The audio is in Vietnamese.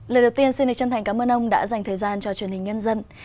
lời đầu tiên xin đề chân thành cảm ơn ông đã dành thời gian cho truyền hình nhân dân